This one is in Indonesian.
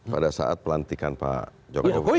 pada saat pelantikan pak jokowi